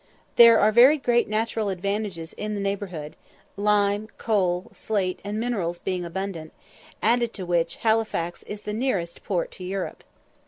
There are very great natural advantages in the neighbourhood, lime, coal, slate, and minerals being abundant, added to which Halifax is the nearest port to Europe.